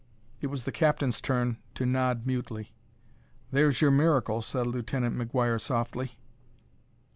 It was the captain's turn to nod mutely. "There's your miracle," said Lieutenant McGuire softly.